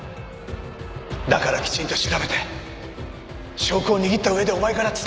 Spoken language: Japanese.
だからきちんと調べて証拠を握った上でお前から伝えてくれ。